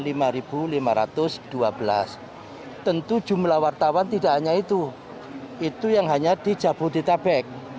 tentu jumlah wartawan tidak hanya itu itu yang hanya di jabodetabek